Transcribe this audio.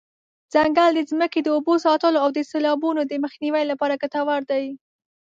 ځنګل د ځمکې د اوبو ساتلو او د سیلابونو د مخنیوي لپاره ګټور دی.